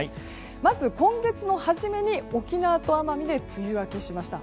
まず、今月の初めに沖縄と奄美で梅雨明けしました。